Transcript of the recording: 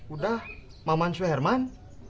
udah mamansu herman